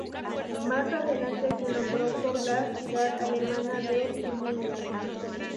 Más adelante se nombró por la ciudad alemana de Tubinga.